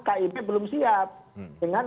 kib belum siap dengan